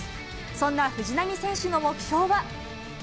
そんな藤波選手の目標は。